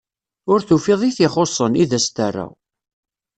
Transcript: Ur tufiḍ i t-ixuṣṣen, i d as-terra.